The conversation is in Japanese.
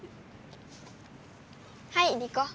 はいリコ。